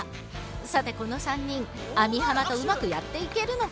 さてこの３人網浜とうまくやっていけるのか。